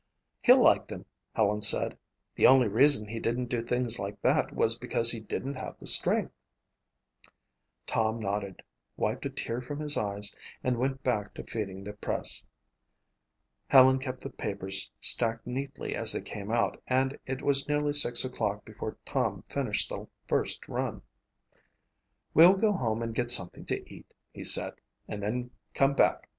"He'll like them," Helen said. "The only reason he didn't do things like that was because he didn't have the strength." Tom nodded, wiped a tear from his eyes, and went back to feeding the press. Helen kept the papers stacked neatly as they came out and it was nearly six o'clock before Tom finished the first run. "We'll go home and get something to eat," he said, "and then come back.